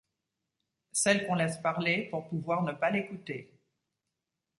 Celle qu'on laisse parler pour pouvoir ne pas l'écouter.